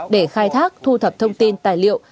để khai thác thu thập thông tin tài liệu